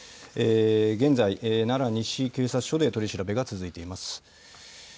現在、奈良西警察署で取り調べが続いています。